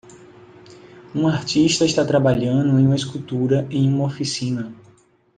Um artista está trabalhando em uma escultura em uma oficina.